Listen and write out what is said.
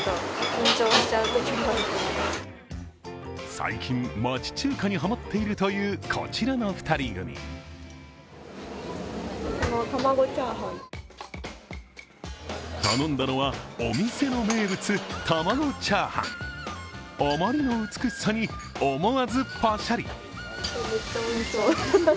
最近、町中華にハマっているというこちらの２人組。頼んだのは、お店の名物、玉子チャーハン。あまりの美しさに思わずパシャリ。